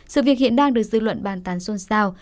sự việc hiện đang được dư luận bàn tán xôn xao